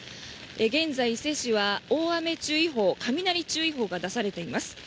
現在、伊勢市は大雨注意報雷注意報が出されています。